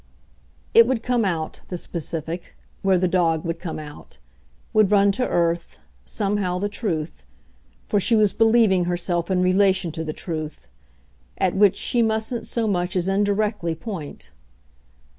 It would come out, the specific, where the dog would come out; would run to earth, somehow, the truth for she was believing herself in relation to the truth! at which she mustn't so much as indirectly point.